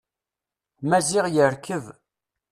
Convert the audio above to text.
Maziɣ yerkeb.